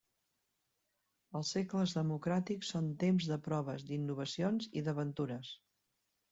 Els segles democràtics són temps de proves, d'innovacions i d'aventures.